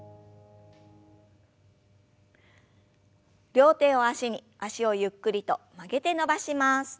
両手を脚に脚をゆっくりと曲げて伸ばします。